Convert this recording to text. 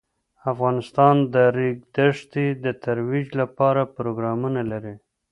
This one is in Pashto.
افغانستان د د ریګ دښتې د ترویج لپاره پروګرامونه لري.